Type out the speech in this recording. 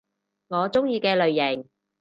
我鍾意嘅類型